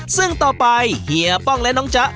ซึ่งต่อไปเฮียป้องและน้องจ๊ะ